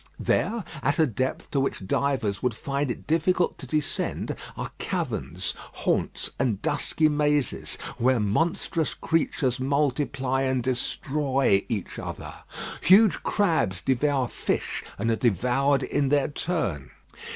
There, at a depth to which divers would find it difficult to descend, are caverns, haunts, and dusky mazes, where monstrous creatures multiply and destroy each other. Huge crabs devour fish and are devoured in their turn.